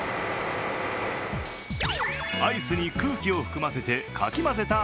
アイスに空気を含ませてかき混ぜた